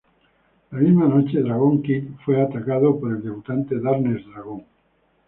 La misma noche, Dragon Kid fue atacado por el debutante Darkness Dragon.